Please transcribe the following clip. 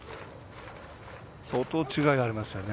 相当違いがありますよね。